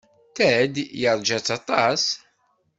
Ted yeṛja-tt aṭas.